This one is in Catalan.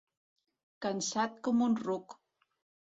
Cansat com un ruc.